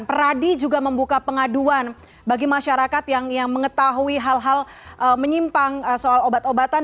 peradi juga membuka pengaduan bagi masyarakat yang mengetahui hal hal menyimpang soal obat obatan